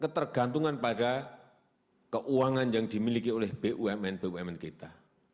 ketergantungan pada keuangan yang dimiliki oleh bumn bumn kita